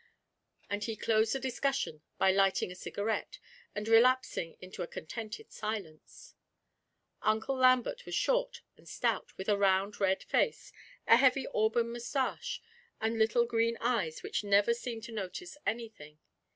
And he closed the discussion by lighting a cigarette, and relapsing into a contented silence. Uncle Lambert was short and stout, with a round red face, a heavy auburn moustache, and little green eyes which never seemed to notice anything.